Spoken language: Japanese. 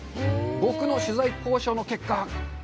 僕の、取材交渉の結果。